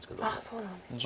そうなんですね。